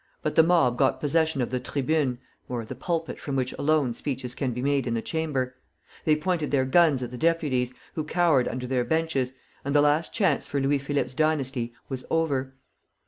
But the mob got possession of the tribune (the pulpit from which alone speeches can be made in the Chamber); they pointed their guns at the Deputies, who cowered under their benches, and the last chance for Louis Philippe's dynasty was over.